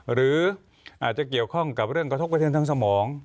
หรืออาจจะเกี่ยวข้องกับเรื่องกระทบกระเทือนทางสมอง